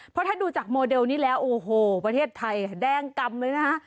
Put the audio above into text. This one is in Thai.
เพราะถ้าดูจากโมเดลนี้แล้วโอ้โหประเทศไทยแดงกำเลยนะฮะ